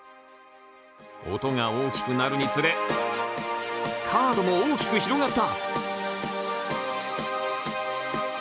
音が大きくなるにつれカードも大きく広がった。